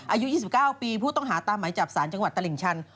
อายุ๒๙ปีผู้ต้องหาตามหมายจับสารจังหวัดตลิ่งชัน